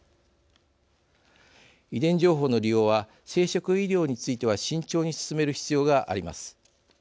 遺伝情報の利用は生殖医療については慎重に進める必要があります。